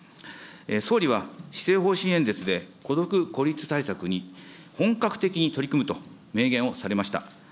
総理は施政方針演説で、孤独・孤立対策に本格的に取り組むと明言をされました。